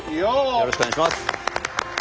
よろしくお願いします。